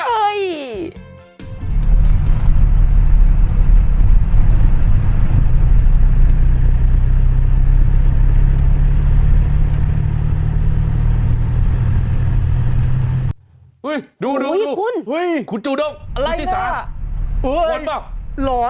โอ้โหโอ้โห